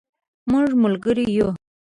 مونږ ملګری یو